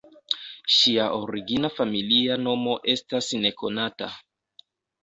Ŝia origina familia nomo estas nekonata.